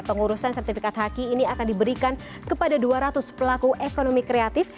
pengurusan sertifikat haki ini akan diberikan kepada dua ratus pelaku ekonomi kreatif